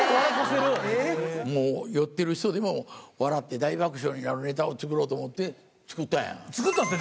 もう酔ってる人でも笑って大爆笑になるネタを作ろうと思って、作ったんや。